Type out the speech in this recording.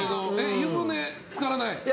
湯船漬からない？